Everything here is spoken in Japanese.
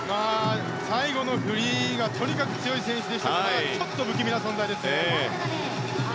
最後の組はとにかく強い選手でしたからちょっと不気味な存在ですね。